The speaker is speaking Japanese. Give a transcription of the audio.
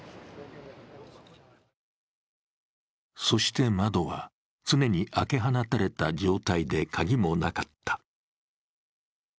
そして、窓は常に開け放たれた状態で鍵もなかった。